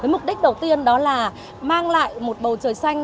mục đích đầu tiên đó là mang lại một bầu trời xanh